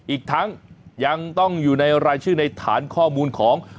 อีกทั้งยังต้องอยู่ในรายชื่อในฐานข้อมูลของ